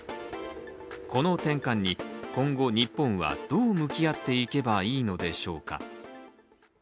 この転換に今後、日本はどう向き合っていけばいいのでしょうか。